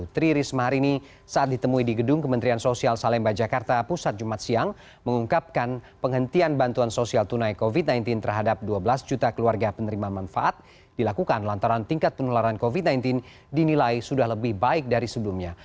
tri risma hari ini saat ditemui di gedung kementerian sosial salemba jakarta pusat jumat siang mengungkapkan penghentian bantuan sosial tunai covid sembilan belas terhadap dua belas juta keluarga penerima manfaat dilakukan lantaran tingkat penularan covid sembilan belas dinilai sudah lebih baik dari sebelumnya